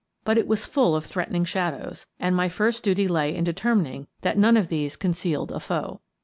But it was full of threatening shadows, and my first duty lay in determining that none of these concealed a foe.